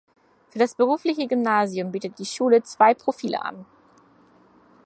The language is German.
Für das berufliche Gymnasium bietet die Schule zwei Profile an.